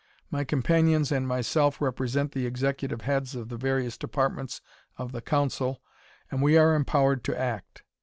My companions and myself represent the executive heads of the various departments of the Council, and we are empowered to act."